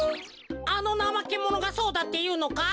あのナマケモノがそうだっていうのか？